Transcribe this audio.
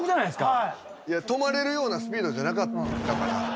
いや止まれるようなスピードじゃなかったから。